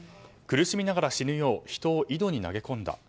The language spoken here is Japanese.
苦しみながら死ぬよう人を井戸に投げ込んだ。